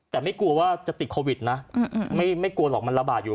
แต่ไม่กลัวว่าจะติดโควิดนะไม่กลัวหรอกมันระบาดอยู่